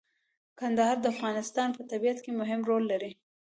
کندهار د افغانستان په طبیعت کې مهم رول لري.